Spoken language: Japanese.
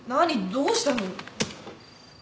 どうしたの？